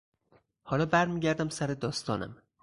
حالا برمیگردم سر داستانم.